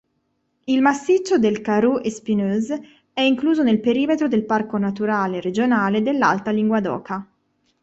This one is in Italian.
Il massiccio del Caroux-Espinouse è incluso nel perimetro del Parco naturale regionale dell'Alta Linguadoca.